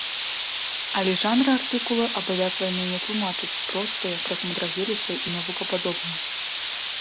Але жанр артыкула абавязвае мяне тлумачыць простае праз мудрагелістае і навукападобнае.